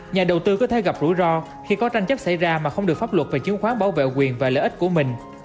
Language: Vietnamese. nhà đầu tư có thể gặp rủi ro khi có tranh chấp xảy ra mà không được pháp luật về chứng khoán bảo vệ quyền và lợi ích của mình